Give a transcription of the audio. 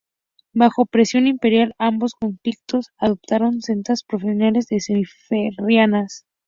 Bajo presión imperial, ambos concilios adoptaron sendas profesiones de fe semi-arrianas.